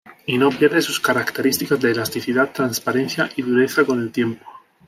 Y no pierde sus características de elasticidad, transparencia y dureza con el tiempo.